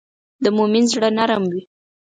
د مؤمن زړه نرم وي.